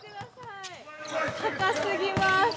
高すぎます！